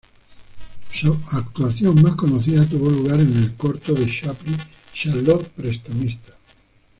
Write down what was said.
Su actuación más conocida tuvo lugar en el corto de Chaplin "Charlot, prestamista".